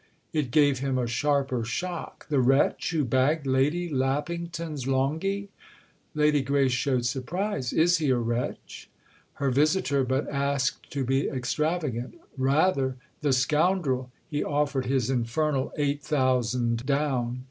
It gave him a sharper shock. "The wretch who bagged Lady Lappington's Longhi?" Lady Grace showed surprise. "Is he a wretch?" Her visitor but asked to be extravagant. "Rather—the scoundrel. He offered his infernal eight thousand down."